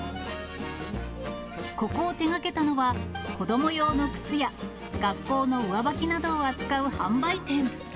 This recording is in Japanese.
ここを手がけたのは、子ども用の靴や学校の上履きなどを扱う販売店。